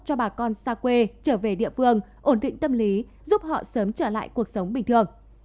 cho bà con xa quê trở về địa phương ổn định tâm lý giúp họ sớm trở lại cuộc sống bình thường